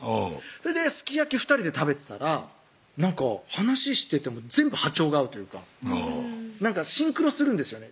それですき焼き２人で食べてたらなんか話してても全部波長が合うというかなんかシンクロするんですよね